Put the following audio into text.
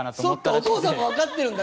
お父さんもわかってるんだ。